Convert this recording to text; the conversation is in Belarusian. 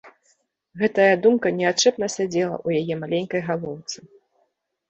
Гэтая думка неадчэпна сядзела ў яе маленькай галоўцы.